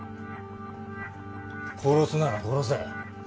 殺すなら殺せ。